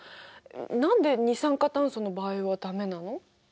何で二酸化炭素の場合は駄目なの？